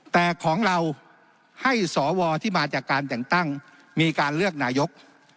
แต่ของเราให้สวที่มาจากการแต่งตั้งมีการเลือกนายก